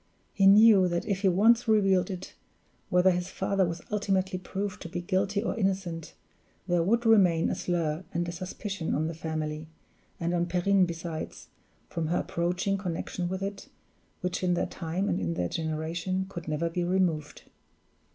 He knew that if he once revealed it, whether his father was ultimately proved to be guilty or innocent, there would remain a slur and a suspicion on the family, and on Perrine besides, from her approaching connection with it, which in their time and in their generation could never be removed.